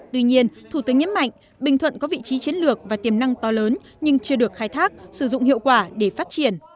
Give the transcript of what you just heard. tuy nhiên thủ tướng nhấn mạnh bình thuận có vị trí chiến lược và tiềm năng to lớn nhưng chưa được khai thác sử dụng hiệu quả để phát triển